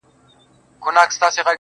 هغې ليونۍ بيا د غاړي هار مات کړی دی.